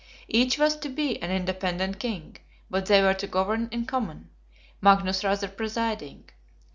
Each was to be an independent king, but they were to govern in common; Magnus rather presiding.